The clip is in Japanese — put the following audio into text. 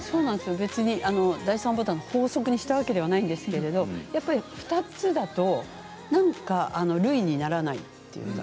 別に、第３ボタンの法則にしたわけではないんですけれどやっぱり２つだと、なんかるいにならないっていうか。